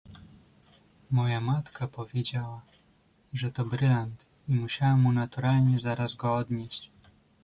"Moja matka powiedziała, że to brylant i musiałam mu naturalnie zaraz go odnieść."